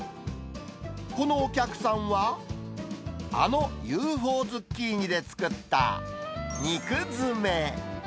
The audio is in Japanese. このお客さんは、あのＵＦＯズッキーニで作った肉詰め。